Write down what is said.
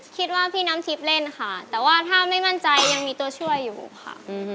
คิดว่าพี่น้ำทิพย์เล่นค่ะแต่ว่าถ้าไม่มั่นใจยังมีตัวช่วยอยู่ค่ะ